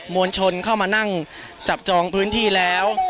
วลชนเข้ามานั่งจับจองพื้นที่แล้ว